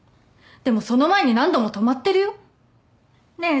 でもその前に何度も泊まってるよ？ねぇ？